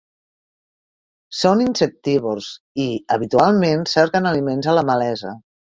Són insectívors i, habitualment, cerquen aliment a la malesa.